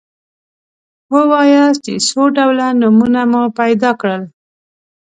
ووایاست چې څو ډوله نومونه مو پیدا کړل.